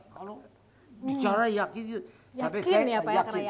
kalau bicara yakin sampai saya yakin